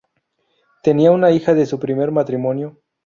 Tenía una hija de su primer matrimonio.